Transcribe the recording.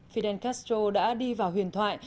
fidel castro đã đi vào huyền thoại